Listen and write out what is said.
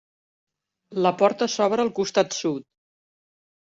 La porta s'obre al costat sud.